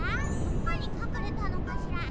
どこにかくれたのかしら。